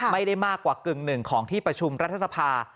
ไม่ได้มากกว่ากึ่งหนึ่งของที่ประชุมรัฐสภา